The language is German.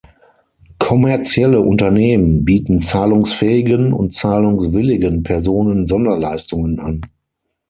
Kommerzielle Unternehmen bieten zahlungsfähigen und zahlungswilligen Personen Sonderleistungen an.